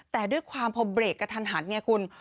แต่ด้วยความพอเบรกกระทันหันไงคุณ